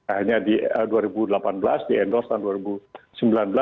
akhirnya di dua ribu delapan belas di endorse tahun dua ribu sembilan belas